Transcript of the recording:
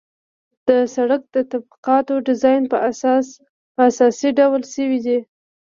د سرک د طبقاتو ډیزاین په اساسي ډول شوی دی